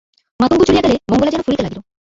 মাতঙ্গ চলিয়া গেলে মঙ্গলা যেন ফুলিতে লাগিল।